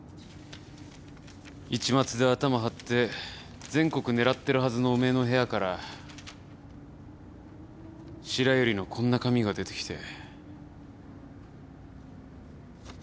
市松でアタマはって全国狙ってるはずのおめえの部屋から白百合のこんな紙が出てきて。